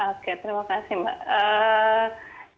oke terima kasih mbak